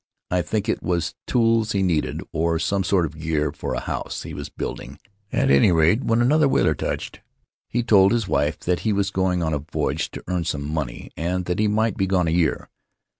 I think it was tools he needed, or some sort of gear for a. house he was building; at any rate, when another whaler touched he told his wife that he was going on a voyage to earn some money and that he might be gone a year.